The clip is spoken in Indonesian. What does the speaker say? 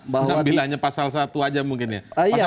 bahwa bila hanya pasal satu aja mungkin ya